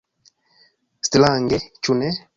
Strange, ĉu ne?